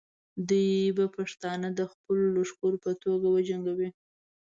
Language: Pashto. دوی به پښتانه د خپلو لښکرو په توګه وجنګوي.